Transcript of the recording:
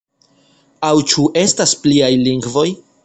Aŭ ĉu estas pliaj lingvoj?